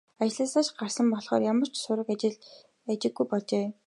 Ажлаасаа ч гарсан болохоор ямар ч сураг ажиггүй болжээ.